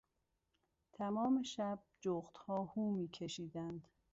تمام شب جغدها هو میکشیدند.